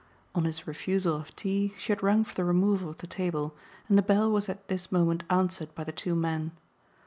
On his refusal of tea she had rung for the removal of the table, and the bell was at this moment answered by the two men.